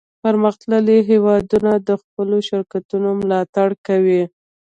پرمختللي هیوادونه د خپلو شرکتونو ملاتړ کوي